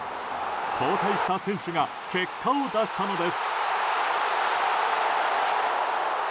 交代した選手が結果を出したのです。